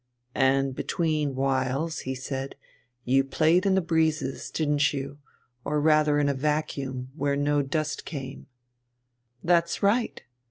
"And between whiles," he said, "you played in the breezes, didn't you, or rather in a vacuum, where no dust came " "That's right.